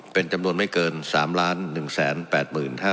เป็นจำนวนไม่เกิน๓๑๘๕๐๐บาท